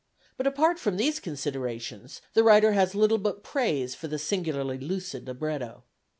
But apart from these considerations, the writer has little but praise for the singularly lucid libretto.